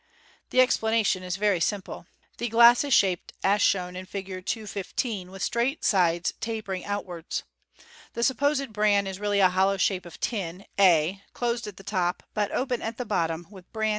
The explanation is very simple. The glass i* shaped as 3S4 MODERN MAGIC. shown in Fig. 215, with straight sides, tapering outwards. The supposed bran is really a hollow shape of tin, a, closed at the top, but open at the bottom, with bran